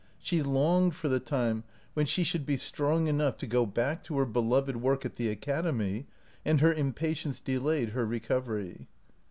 She longed for the time when she should be strong enough to go back to her beloved work at the academy, and her impatience delayed her recovery.